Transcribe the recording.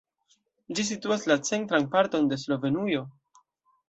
Ĝi situas la centran parton de Slovenujo.